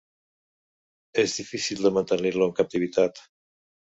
És difícil de mantenir-lo en captivitat.